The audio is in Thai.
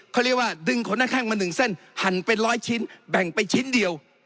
เขาเรียกว่าดึงขนาดแข็งมา๑เส้นหั่นเป็น๑๐๐ชิ้นแบ่งไป๑เดียว